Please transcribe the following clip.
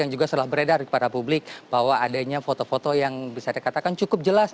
yang juga telah beredar kepada publik bahwa adanya foto foto yang bisa dikatakan cukup jelas